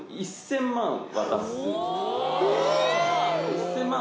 １０００万